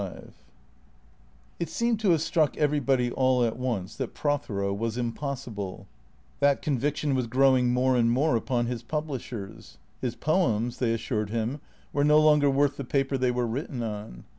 LV IT seemed to have struck everybody all at once that Prothero was impossible. That conviction was growing more and more upon his publishers. His poems, they assured him, were no longer worth the paper they were written on.